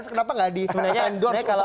kenapa nggak di endorse untuk menyelesaikan